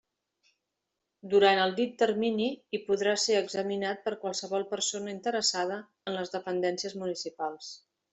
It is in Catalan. Durant el dit termini hi podrà ser examinat per qualsevol persona interessada en les dependències municipals.